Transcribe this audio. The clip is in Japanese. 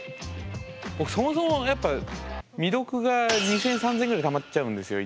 僕そもそもやっぱ未読が２，０００３，０００ぐらいたまっちゃうんですよいつも。